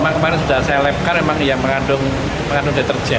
kemarin sudah saya lepkar yang mengandung deterjen